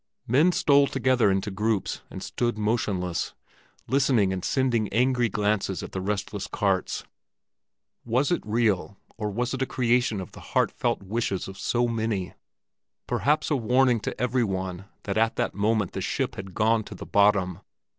Men stole together into groups and stood motionless, listening and sending angry glances at the restless carts. Was it real, or was it a creation of the heart felt wishes of so many? Perhaps a warning to every one that at that moment the ship had gone to the bottom?